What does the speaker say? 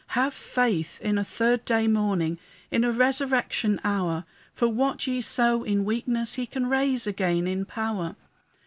Have faith in a third day morning, In a resurrection hour; For what ye sow in weakness, He can raise again in power.